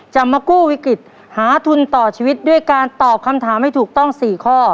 จะมากู้วิกฤตหาทุนต่อชีวิตด้วยการตอบคำถามให้ถูกต้อง๔ข้อ